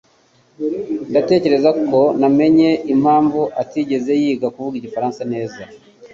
Ndatekereza ko namenye impamvu atigeze yiga kuvuga igifaransa neza.